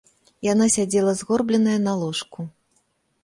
Яна сядзела згорбленая на ложку.